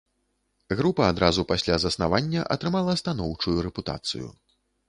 Група адразу пасля заснавання атрымала станоўчую рэпутацыю.